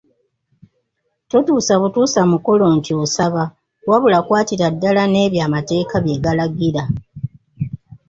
Totuusa butuusa mukolo nti osaba wabula kwatira ddala n’ebyo amateeka bye galagira.